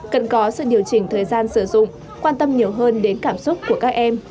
cần có sự điều chỉnh thời gian sử dụng quan tâm nhiều hơn đến cảm xúc của các em